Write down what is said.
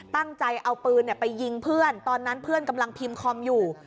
ตั้งใจเอาปืนไปยิงเพื่อนตอนนั้นเพื่อนกำลังพิมพ์คอมอยู่